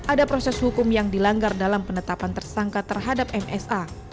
ada proses hukum yang dilanggar dalam penetapan tersangka terhadap msa